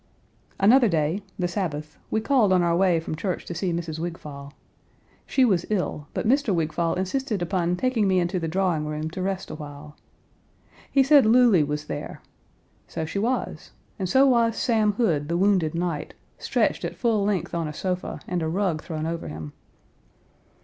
Another day (the Sabbath) we called on our way from church to see Mrs. Wigfall. She was ill, but Mr. Wigfall insisted upon taking me into the drawing room to rest a while. He said Louly was there; so she was, and so was Sam Hood, the wounded knight, stretched at full length on a sofa and a rug thrown over him.